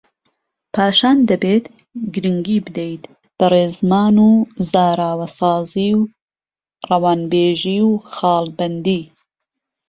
پاشان دەبێت گرنگی بدەیت بە ڕێزمان و زاراوەسازی و ڕەوانبێژی و خاڵبەندی